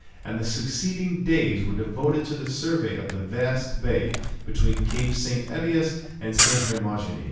and the succeeding days were devoted to the survey of the vast bay between Capes St. Elias and St. Hermogenes.